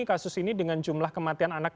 kasus ini dengan jumlah kematian anak